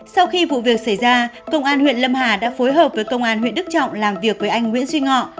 sau khi vụ việc xảy ra công an huyện lâm hà đã phối hợp với công an huyện đức trọng làm việc với anh nguyễn duy ngọ